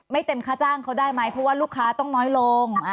เต็มค่าจ้างเขาได้ไหมเพราะว่าลูกค้าต้องน้อยลง